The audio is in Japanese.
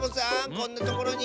こんなところに！